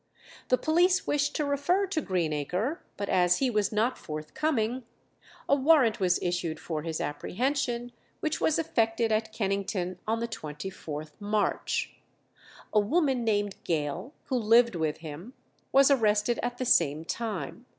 The police wished to refer to Greenacre, but as he was not forthcoming, a warrant was issued for his apprehension, which was effected at Kennington on the 24th March. A woman named Gale, who lived with him, was arrested at the same time.